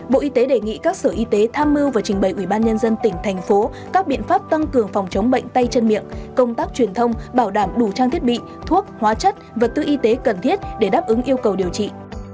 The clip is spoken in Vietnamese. bộ y tế đề nghị các sở y tế tham mưu và trình bày ủy ban nhân dân tỉnh thành phố các biện pháp tăng cường phòng chống bệnh tay chân miệng công tác truyền thông bảo đảm đủ trang thiết bị thuốc hóa chất vật tư y tế cần thiết để đáp ứng yêu cầu điều trị